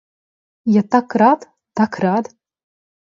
Я так рад, так рад.